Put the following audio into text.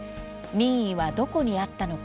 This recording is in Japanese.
民意はどこにあったのか。